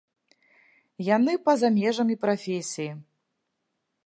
Яны па-за межамі прафесіі.